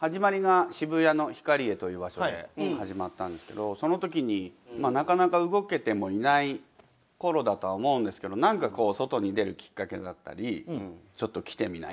渋谷のヒカリエという場所で始まったんですけどそのときになかなか動けてもいないころだとは思うんですけど外に出るきっかけだったりちょっと来てみない？